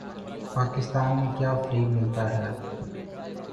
پاکستان میں کیا فری ملتا ہے